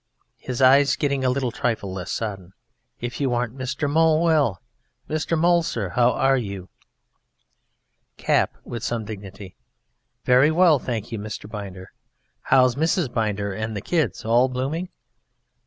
(his eyes getting a trifle less sodden) if you aren't Mr. Mowle! Well, Mr. Mowle, sir, how are you? CAP (with some dignity): Very well, thank you, Mr. Binder. How, how's Mrs. Binder and the kids? All blooming?